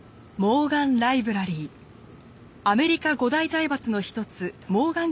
アメリカ５大財閥の一つモーガン